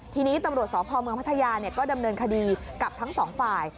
ทีนี้ตำรวจสพเมืองพัทยาก็ดำเนินคดีกับทั้งสองฝ่าย